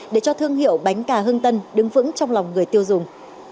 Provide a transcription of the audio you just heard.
để cho thương hiệu bánh cà hưng tân đứng vững trong lòng người tiêu dùng